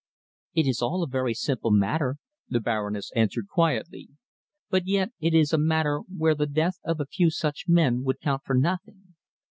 "It is all a very simple matter," the Baroness answered, quietly, "but yet it is a matter where the death of a few such men would count for nothing.